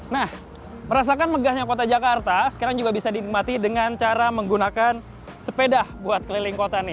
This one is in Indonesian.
nah merasakan megahnya kota jakarta sekarang juga bisa dinikmati dengan cara menggunakan sepeda buat keliling kota nih